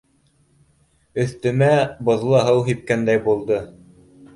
Өҫтөмә боҙло һыу һипкәндәй булды!